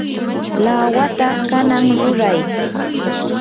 lawata kanan ruray.